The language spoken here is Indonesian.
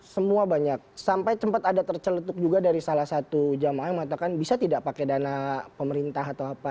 semua banyak sampai sempat ada terceletuk juga dari salah satu jamaah yang mengatakan bisa tidak pakai dana pemerintah atau apa